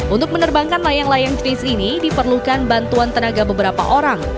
untuk menerbangkan layang layang jenis ini diperlukan bantuan tenaga beberapa orang